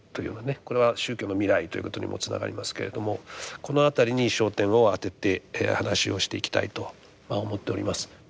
これは宗教の未来ということにもつながりますけれどもこの辺りに焦点を当てて話をしていきたいとまあ思っております。